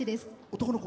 男の子？